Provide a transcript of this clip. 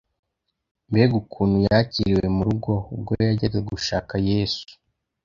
Mbega ukuntu yakiriwe mu rugo! Ubwo yajyaga gushaka Yesu,